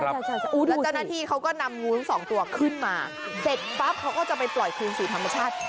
แล้วเจ้าหน้าที่เขาก็นำงูทั้งสองตัวขึ้นมาเสร็จปั๊บเขาก็จะไปปล่อยคืนสู่ธรรมชาติ